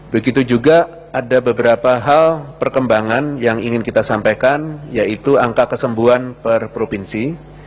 begitu juga ada beberapa hal perkembangan yang ingin kita sampaikan yaitu angka kesembuhan per provinsi